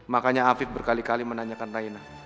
makanya afif berkali kali menanyakan raina